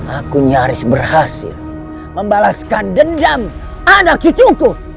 aku nyaris berhasil membalaskan dendam anak cucuku